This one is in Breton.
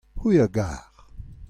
c'hwi a gar.